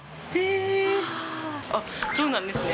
あっそうなんですね。